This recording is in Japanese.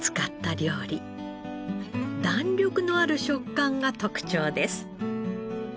弾力のある食感が特徴です。